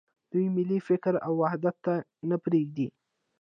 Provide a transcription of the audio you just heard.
دوی ملي فکر او وحدت ته نه پرېږدي.